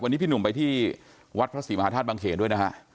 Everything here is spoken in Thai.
วันนี้พี่หนุ่มไปที่วัดพระศรีมหาธาตุบังเขนด้วยนะฮะ